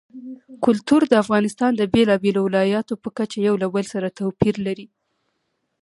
کلتور د افغانستان د بېلابېلو ولایاتو په کچه یو له بل سره توپیر لري.